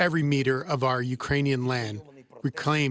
seperti diketahui presiden rusia mengatakan